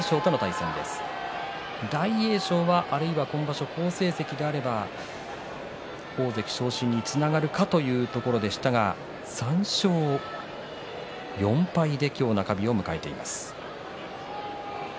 大栄翔は今場所、好成績であれば大関昇進につながるかというところでしたが３勝４敗で中日を迎えています。